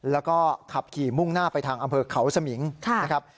แล้วก็ขับขี่มุ่งหน้าไปทางอำเภอเขาสมิงนะครับ